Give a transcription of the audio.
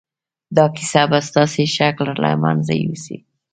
دا کیسه به ستاسې شک له منځه یوسي